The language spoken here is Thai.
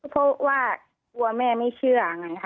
เพราะว่ากลัวแม่ไม่เชื่อ